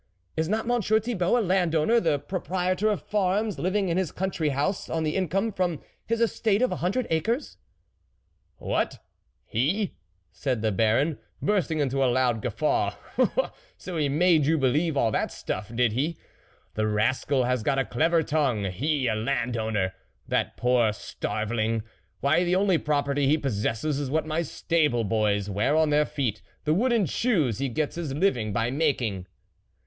" Is not Monsieur Thibault a landowner, the proprietor of farms, living in his country house on the income from his estate of a hundred acres ?"" What, he ?" said the Baron, bursting into a loud guffaw, " so he made you be lieve all that stuff, did he ? the rascal has got a clever tongue. He ! a landowner ! that poor starveling ! why, the only pro perty he possesses is what my stable boys wear on their feet the wooden shoes he gets his living by making."